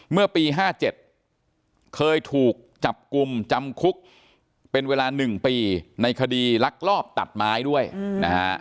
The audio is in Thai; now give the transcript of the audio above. เมื่อปี๕๗เคยถูกจับกลุ่มจำคุกเป็นเวลา๑ปีในคดีลักลอบตัดไม้ด้วยนะฮะ